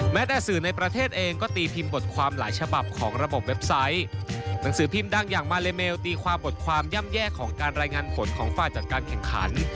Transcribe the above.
แต่สื่อในประเทศเองก็ตีพิมพ์บทความหลายฉบับของระบบเว็บไซต์หนังสือพิมพ์ดังอย่างมาเลเมลตีความบทความย่ำแย่ของการรายงานผลของฝ่ายจัดการแข่งขัน